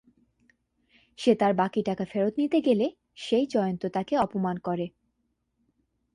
সে তার বাকি টাকা ফেরত নিতে গেলে সেই জয়ন্ত তাকে অপমান করে।